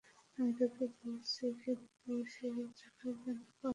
আমি তাকে বলেছি, কিন্তু সে টাকার জন্য পাগল।